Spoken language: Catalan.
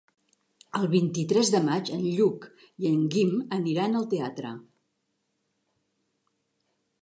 El vint-i-tres de maig en Lluc i en Guim aniran al teatre.